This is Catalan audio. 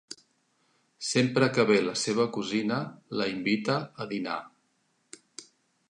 Sempre que ve la seva cosina, la invita a dinar.